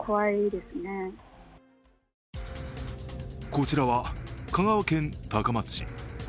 こちらは香川県高松市。